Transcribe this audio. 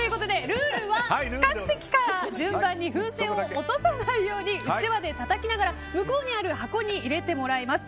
ルールは各席から順番に風船を落とさないようにうちわでたたきながら向こうにある箱に入れてもらいます。